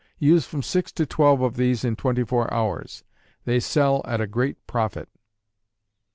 Use from six to twelve of these in twenty four hours. They sell at a great profit.